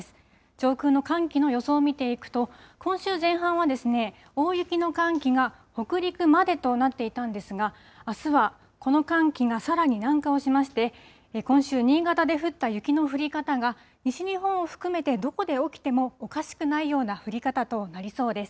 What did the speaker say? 上空の寒気の予想を見ていくと、今週前半はですね、大雪の寒気が北陸までとなっていたんですが、あすは、この寒気がさらに南下しまして、今週、新潟で降った雪の降り方が、西日本を含めて、どこで起きてもおかしくないような降り方となりそうです。